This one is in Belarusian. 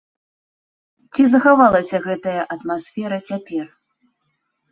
Ці захавалася гэтая атмасфера цяпер?